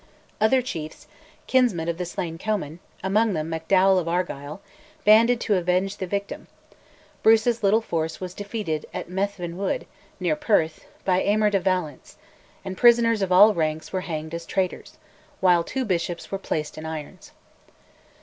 Other chiefs, kinsmen of the slain Comyn, among them Macdowal of Argyll, banded to avenge the victim; Bruce's little force was defeated at Methven Wood, near Perth, by Aymer de Valence, and prisoners of all ranks were hanged as traitors, while two bishops were placed in irons.